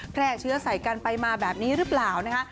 แพร่เชื้อใส่กันไปมาแบบนี้หรือเปล่านะคะ